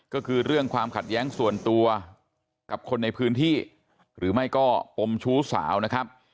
ก็คือเรื่องความขัดแย้งส่วนตัวกับคนในพื้นที่หรือไม่ก็ปมชู้สาวนะครับ